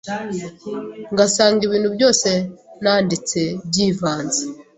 ngasanga ibintu byose nanditse byivanze.